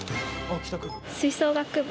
吹奏楽部。